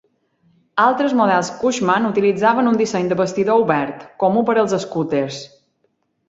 Altres models Cushman utilitzaven un disseny de bastidor obert, comú per als escúters.